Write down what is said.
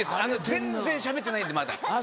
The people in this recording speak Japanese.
全然しゃべってないんでまだ。